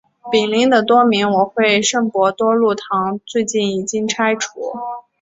毗邻的多明我会圣伯多禄堂最近已经拆除。